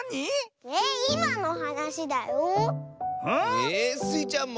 えスイちゃんも？